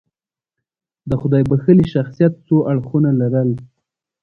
د خدای بښلي شخصیت څو اړخونه لرل.